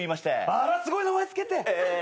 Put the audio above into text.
あらすごい名前付けて。